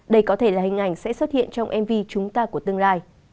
đây có thể là hình ảnh sẽ xuất hiện trong mv chúng ta của tương lai